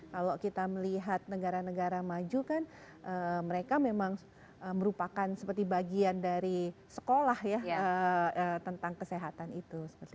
karena kita melihat negara negara maju kan mereka memang merupakan seperti bagian dari sekolah ya tentang kesehatan itu